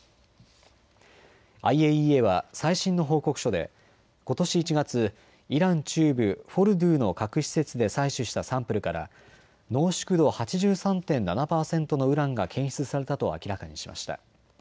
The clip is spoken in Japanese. ＩＡＥＡは最新の報告書でことし１月、イラン中部フォルドゥの核施設で採取したサンプルから濃縮度８３．７％のウランが検出されたと明らかにしました。